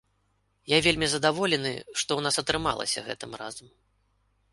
Я вельмі задаволены, што ў нас атрымалася гэтым разам.